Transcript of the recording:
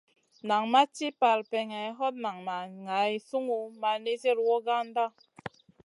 Nan ma ci parpèŋè, hot nan ma ŋay sungun ma nizi wragandana.